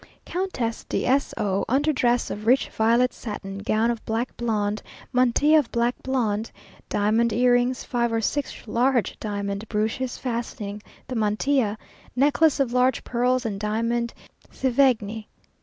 Countess de S o. Under dress of rich violet satin, gown of black blonde, mantilla of black blonde, diamond earrings, five or six large diamond brooches fastening the mantilla, necklace of large pearls and diamond sevigne.